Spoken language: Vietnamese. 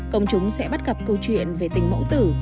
công chúng sẽ bắt gặp câu chuyện về tình mẫu tử